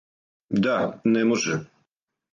Да, не може!